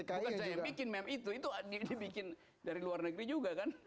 bukan saya yang bikin meme itu itu dibikin dari luar negeri juga kan